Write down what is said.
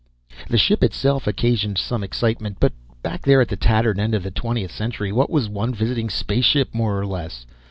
The ship itself occasioned some excitement, but back there at the tattered end of the 20th century, what was one visiting spaceship more or less?